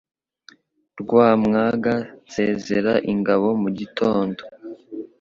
Rwamwaga nsezera ingabo mugitondo